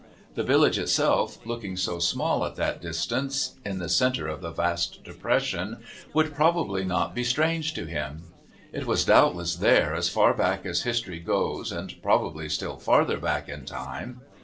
The village itself, looking so small at that distance, in the centre of the vast depression, would probably not be strange to him. It was doubtless there as far back as history goes and probably still farther back in time.